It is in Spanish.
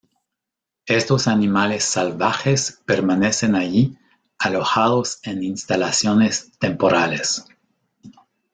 Estos animales salvajes permanecen allí, alojados en instalaciones temporales.